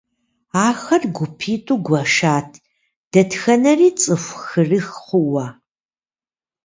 Ахэр гупитIу гуэшат, дэтхэнэри цIыху хырых хъууэ.